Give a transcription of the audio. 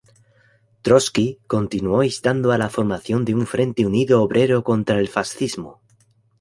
Trotsky continuó instando a la formación de un frente unido obrero contra el fascismo.